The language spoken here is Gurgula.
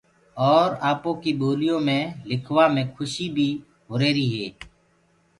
اور آپو ڪيِ ٻوليو مي لکوآ مي کُشيٚ بيِٚ هو ريهريِٚ هي۔